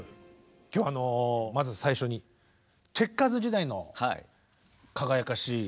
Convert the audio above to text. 今日はまず最初にチェッカーズ時代の輝かしい。